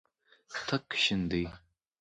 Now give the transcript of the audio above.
تک شین دی.